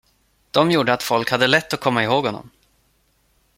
De gjorde att folk hade lätt att komma ihåg honom.